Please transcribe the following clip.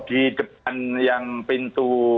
di depan yang pintu